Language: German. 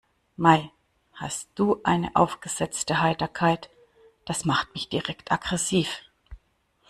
Mei, hast du eine aufgesetzte Heiterkeit, das macht mich direkt aggressiv.